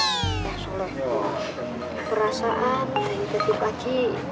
perasaan dari pagi pagi